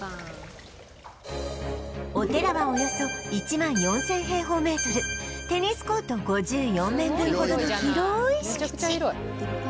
お寺はおよそ１万４０００平方メートルテニスコート５４面分ほどの広い敷地